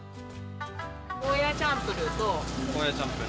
ゴーヤチャンプルと。